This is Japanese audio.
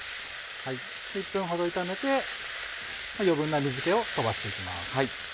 １分ほど炒めて余分な水気を飛ばして行きます。